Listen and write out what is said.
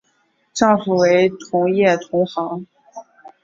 丈夫为同业同行。